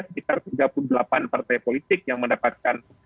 sekitar tiga puluh delapan partai politik yang mendapatkan